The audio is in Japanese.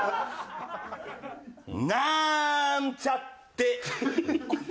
なーんちゃって！